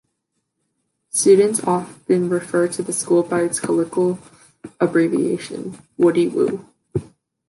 Students often refer to the school by its colloquial abbreviation, "Woody Woo".